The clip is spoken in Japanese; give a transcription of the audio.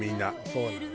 そうなのよ。